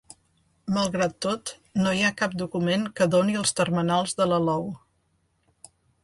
Malgrat tot no hi ha cap document que doni els termenals de l'alou.